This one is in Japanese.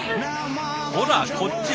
ほらこっち